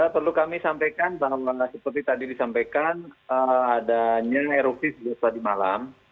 perlu kami sampaikan pak hendra seperti tadi disampaikan adanya erupsi sudah tadi malam